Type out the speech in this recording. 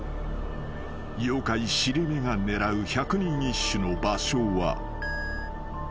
［妖怪尻目が狙う百人一首の場所は］